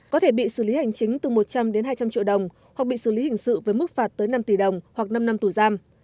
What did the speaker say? có thể bị xử lý hành chính từ một trăm linh đến hai trăm linh triệu đồng hoặc bị xử lý hình sự với mức phạt tới năm tỷ đồng hoặc năm năm tù giam